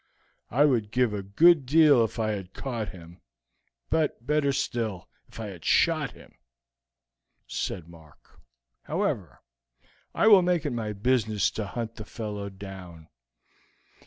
I would give a good deal if I had caught him, or better still, if I had shot him," said Mark. "However, I will make it my business to hunt the fellow down.